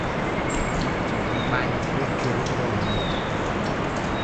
ម៉ាក់ចម្អិនបាយនៅផ្ទះជារៀងរាល់ល្ងាច។